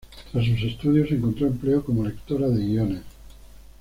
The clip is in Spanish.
Tras sus estudios, encontró empleo como lectora de guiones.